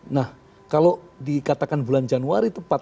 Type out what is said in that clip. nah kalau dikatakan bulan januari tepat